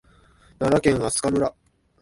奈良県明日香村